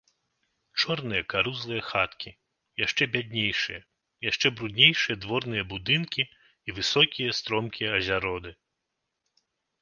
Чорныя карузлыя хаткі, яшчэ бяднейшыя, яшчэ бруднейшыя дворныя будынкі і высокія стромкія азяроды.